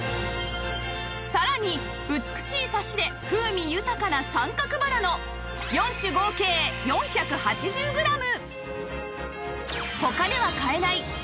さらに美しいサシで風味豊かな三角バラの４種合計４８０グラム